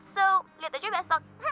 so lihat aja besok